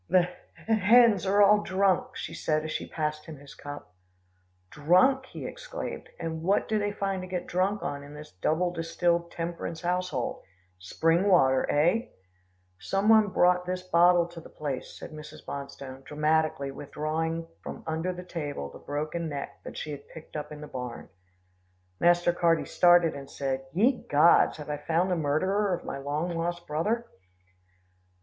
"The h h hens are all drunk," she said as she passed him his cup. "Drunk!" he exclaimed, "and what do they find to get drunk on in this double distilled temperance household? Spring water, eh?" "Some one brought this bottle to the place," said Mrs. Bonstone, dramatically withdrawing from under the table the broken neck that she had picked up in the barn. Master Carty started, and said, "Ye gods! Have I found the murderer of my long lost brother?"